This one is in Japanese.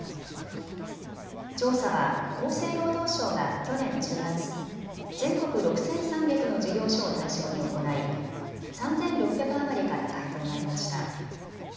調査は厚生労働省が去年１０月、全国６３００の事業所を対象に行い、３６００余りから回答がありました。